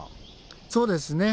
そうですね。